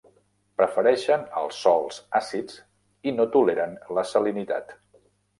Prefereixen els sòls àcids i no toleren la salinitat.